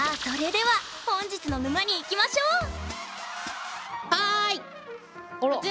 それでは本日の沼にいきましょう！